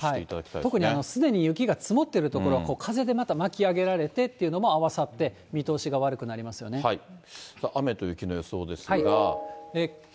特にすでに雪が積もっている所、風でまた巻き上げられてってことも合わさって、見通しが悪くなりさあ、雨と雪の予想ですが。